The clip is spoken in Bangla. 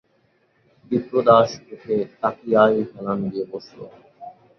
বিপ্রদাস উঠে তাকিয়ায় হেলান দিয়ে বসল।